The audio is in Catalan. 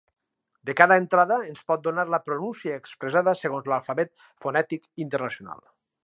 De cada entrada ens pot donar la pronúncia expressada segons l'alfabet fonètic internacional.